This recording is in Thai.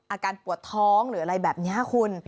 อาการปวดท้องหรืออะไรแบบนี้คุณ